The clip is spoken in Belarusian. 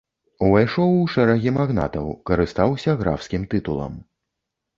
Увайшоў у шэрагі магнатаў, карыстаўся графскім тытулам.